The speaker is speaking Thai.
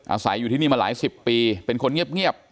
อาศัยอยู่ที่นี่มาหลายสิบปีเป็นคนเงียบ